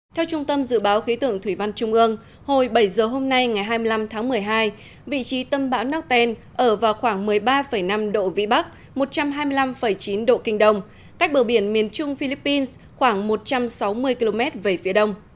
theo trung tâm dự báo khí tượng thủy văn trung ương hồi bảy giờ hôm nay ngày hai mươi năm tháng một mươi hai vị trí tâm bão ở vào khoảng một mươi ba năm độ vĩ bắc một trăm hai mươi năm chín độ kinh đông cách bờ biển miền trung philippines khoảng một trăm sáu mươi km về phía đông